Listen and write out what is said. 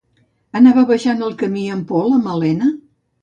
Anava baixant el camí amb por la Malena?